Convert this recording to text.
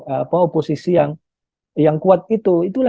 itulah yang membuatnya kekuasaan kita bisa lebih kuat dan lebih kuat juga ya pak jokowi